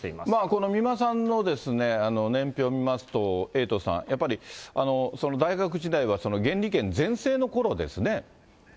この美馬さんの年表見ますと、エイトさん、やっぱり大学時代は原理研全盛のころですね。